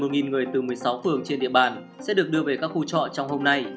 một người từ một mươi sáu phường trên địa bàn sẽ được đưa về các khu trọ trong hôm nay